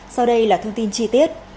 sau đây là thông tin chi tiết